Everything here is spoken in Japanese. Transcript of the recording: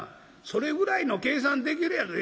それぐらいの計算できるやろ」。